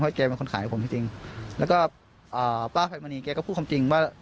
เพราะแกเป็นคนขายให้ผมจริงแล้วก็อ่าป้าพรรณมณีแกก็พูดความจริงว่า